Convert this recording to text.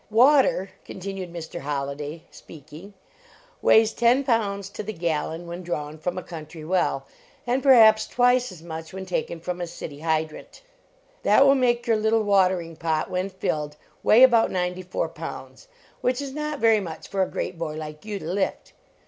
"Water," continued Mr. Holliday, speaking, "weighs ten pounds to the gallon, when drawn from a country well, and perhaps twice as much when taken from a city hydrant. That will make your little watering pot, when filled, weigh about ninety four pounds, which is not very much for a great boy like you to lift.